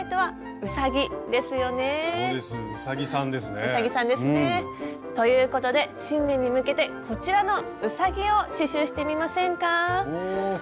うさぎさんですね。ということで新年に向けてこちらのうさぎを刺しゅうしてみませんか？